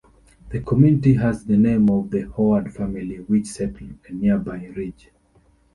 The community has the name of the Howard family which settled a nearby ridge.